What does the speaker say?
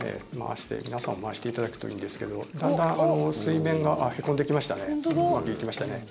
皆さん回していただくといいんですけどだんだん水面がへこんできましたねうまくいきましたね。